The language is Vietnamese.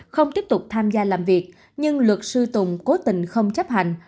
không tiếp tục tham gia làm việc nhưng luật sư tùng cố tình không chấp hành